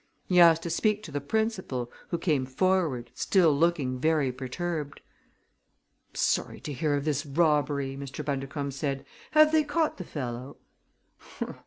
He asked to speak to the principal, who came forward, still looking very perturbed. "Sorry to hear of this robbery!" Mr. Bundercombe said. "Have they caught the fellow?"